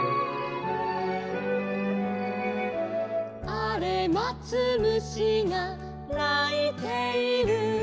「あれまつ虫がないている」